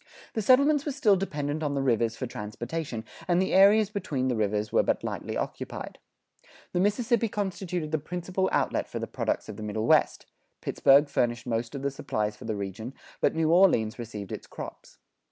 The settlements were still dependent on the rivers for transportation, and the areas between the rivers were but lightly occupied. The Mississippi constituted the principal outlet for the products of the Middle West; Pittsburgh furnished most of the supplies for the region, but New Orleans received its crops.